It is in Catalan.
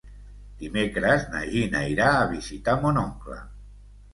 Dimecres na Gina irà a visitar mon oncle.